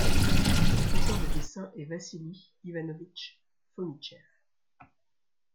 L'auteur des dessins est Vassili Ivanovitch Fomitchev.